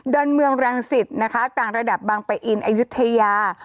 อนเมืองรังสิตนะคะต่างระดับบางปะอินอายุทยา